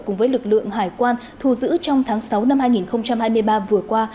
cùng với lực lượng hải quan thu giữ trong tháng sáu năm hai nghìn hai mươi ba vừa qua